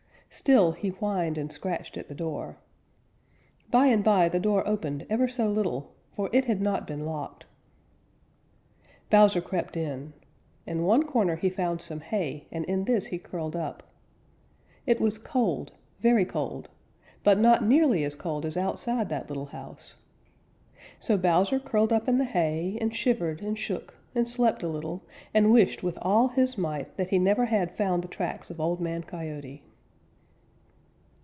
Still he whined and scratched at the door. By and by the door opened ever so little, for it had not been locked. Bowser crept in. In one corner he found some hay, and in this he curled up. It was cold, very cold, but not nearly as cold as outside that little house. So Bowser curled up in the hay and shivered and shook and slept a little and wished with all his might that he never had found the tracks of Old Man Coyote.